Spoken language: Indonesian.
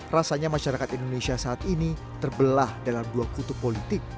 rasanya masyarakat indonesia saat ini terbelah dalam dua kutub politik